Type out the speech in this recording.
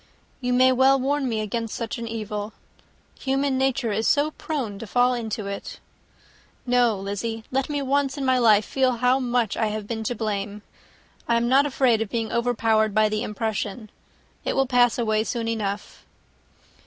"You may well warn me against such an evil. Human nature is so prone to fall into it! No, Lizzy, let me once in my life feel how much I have been to blame. I am not afraid of being overpowered by the impression. It will pass away soon enough."